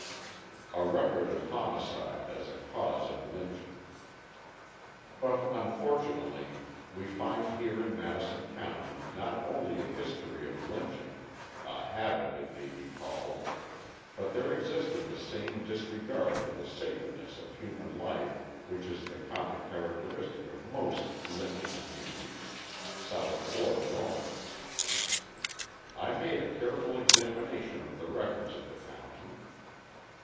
A Record of Homicide as a Cause of Lynching But, unfortunately, we find here in Madison County not only a history of lynching a habit, it may be called but there existed the same disregard for the sacredness of human life which is the common characteristic of most lynching communities, South or North. I made a careful examination of the records of the county.